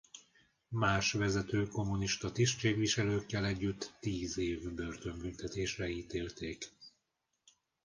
Más vezető kommunista tisztségviselőkkel együtt tíz év börtönbüntetésre ítélték.